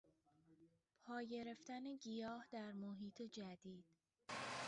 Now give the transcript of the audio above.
پا گرفتن گیاه در محیط جدید